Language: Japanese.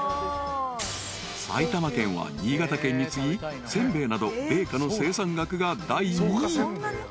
［埼玉県は新潟県に次ぎ煎餅など米菓の生産額が第２位］